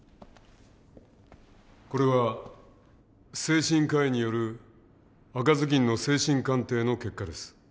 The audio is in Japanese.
これは精神科医による赤ずきんの精神鑑定の結果です。